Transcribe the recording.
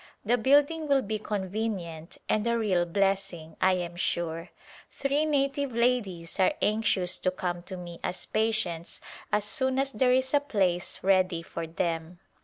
The building will be convenient and a real blessing, I am sure. Three native ladies are anxious to come to me as patients as soon as there is a place ready for them.